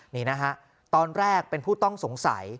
นี่นะฮะตอนแรกเป็นผู้ต้องสงสัย